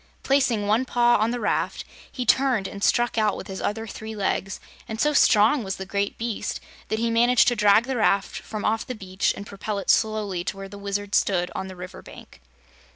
Placing one paw on the raft, he turned and struck out with his other three legs and so strong was the great beast that he managed to drag the raft from off the beach and propel it slowly to where the Wizard stood on the river bank.